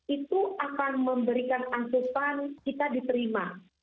itu akan memberikan asupan kita diterima